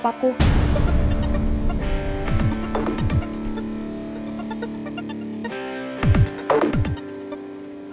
pangeran di vila papaku